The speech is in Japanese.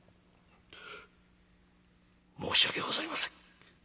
「申し訳ございません。